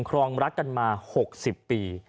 ครองรักกันมา๖๐ปี